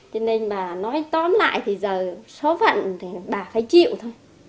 cho nên bà nói tóm lại thì giờ số phận thì bà phải chịu thôi